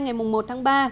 ngày một tháng ba